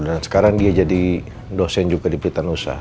dan sekarang dia jadi dosen juga di blitanusa